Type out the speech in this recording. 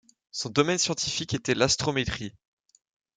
Son domaine scientifique était l'astrométrie.